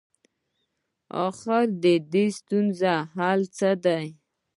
اخر ددې ستونزي حل څه دی؟